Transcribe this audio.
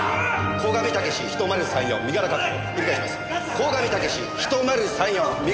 鴻上猛１０３４身柄確保。